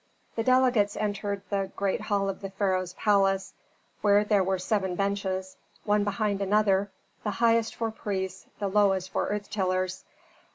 The delegates entered the great hall of the pharaoh's palace where there were seven benches, one behind another, the highest for priests, the lowest for earth tillers.